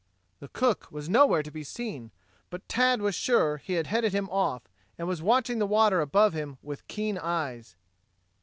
The cook was nowhere to be seen, but Tad was sure he had headed him off and was watching the water above him with keen eyes.